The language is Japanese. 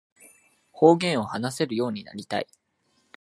方言を話せるようになりたい